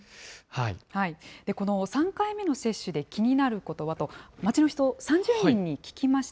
この３回目の接種で気になることはと、街の人３０人に聞きました。